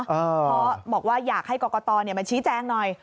เพราะบอกว่าอยากให้กรกตมาชี้แจงหน่อย